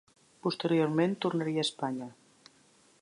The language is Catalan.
Posteriorment tornaria a Espanya.